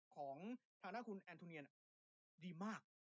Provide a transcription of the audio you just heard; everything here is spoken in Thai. ของฐานะคุณแอนทูเนียเนี่ยดีมาก